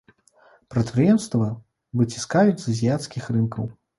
Прадпрыемства выціскаюць з азіяцкіх рынкаў.